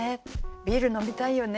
「ビール飲みたいよね」